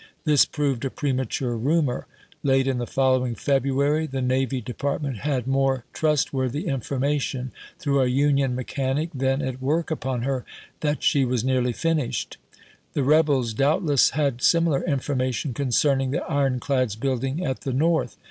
This proved a premature rumor. Late in the following February the Navy Department had more trustworthy information, •AnnfiiHof through a Union mechanic then at work upon her, 'v. iik' that she was nearly finished. The rebels doubtless had similar information concerning the ironclads building at the North.